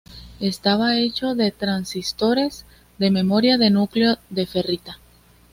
Estaba hecho de transistores de memoria de núcleo de ferrita.